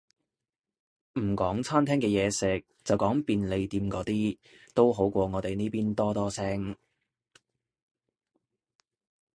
唔講餐廳嘅嘢食，就講便利店嗰啲，都好過我哋呢邊多多聲